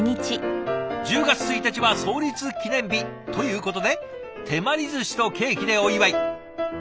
１０月１日は創立記念日ということで手毬寿司とケーキでお祝い。